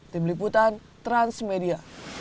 tim liputan transmedia